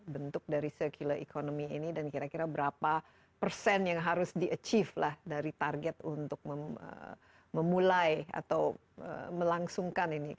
bentuk dari circular economy ini dan kira kira berapa persen yang harus di achieve lah dari target untuk memulai atau melangsungkan ini